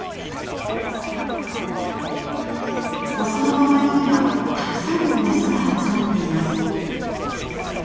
オスの周りにはたくさんのメスが集まっています。